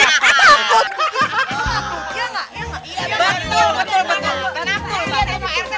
pak rt menakut